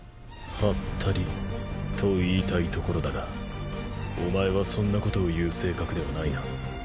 ハッタリと言いたいところだがお前はそんなことを言う性格ではないな。